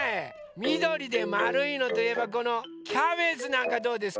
みどりでまるいのといえばこのキャベツなんかどうですか？